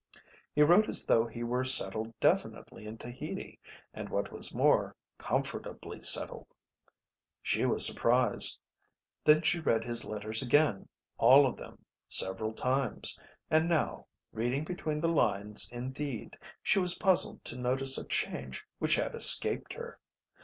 He wrote as though he were settled definitely in Tahiti, and what was more, comfortably settled. She was surprised. Then she read his letters again, all of them, several times; and now, reading between the lines indeed, she was puzzled to notice a change which had escaped her.